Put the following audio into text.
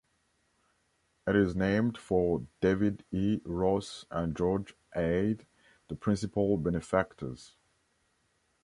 It is named for David E. Ross and George Ade, the principal benefactors.